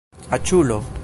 aĉulo